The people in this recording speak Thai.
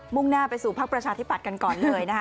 ่งหน้าไปสู่พักประชาธิปัตย์กันก่อนเลยนะคะ